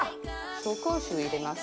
紹興酒入れます。